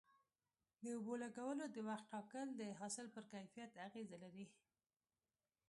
د اوبو لګولو د وخت ټاکل د حاصل پر کیفیت اغیزه لري.